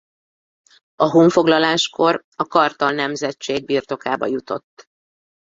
A honfoglaláskor a Kartal nemzetség birtokába jutott.